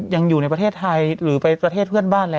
ยังอยู่ในประเทศไทยหรือไปประเทศเพื่อนบ้านแล้ว